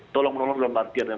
tolong menolong dalam artian